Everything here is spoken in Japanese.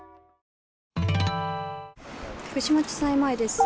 福島地裁前です。